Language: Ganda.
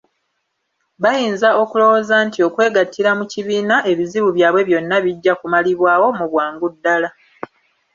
Bayinza okulowooza nti okwegattira mu kibiina ebizibu byabwe byonna bijja kumalibwawo mu bwangu ddala.